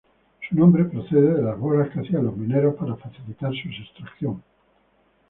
Su nombre procede de las bolas que hacían los mineros para facilitar su extracción.